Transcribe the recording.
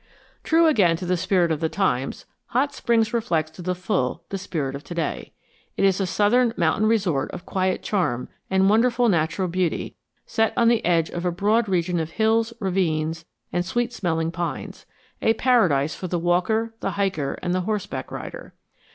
True again to the spirit of the times, Hot Springs reflects to the full the spirit of to day. It is a Southern mountain resort of quiet charm and wonderful natural beauty set on the edge of a broad region of hills, ravines, and sweet smelling pines, a paradise for the walker, the hiker, and the horseback rider.